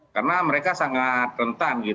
karena mereka sangat rentan